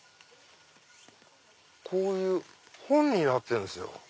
こういう本になってるんすよ。